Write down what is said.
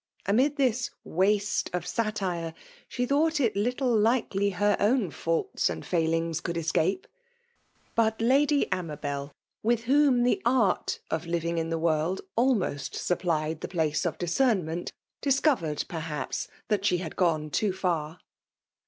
Amid this waste of satire, she thought it little likely her FKMALE DOMINATION. 169 ovm faults and fkilings could escape; but Lady Amabel, with whom the art of living in the world almost supplied the place of discern ment/discovered, perhaps, that she had gone too far."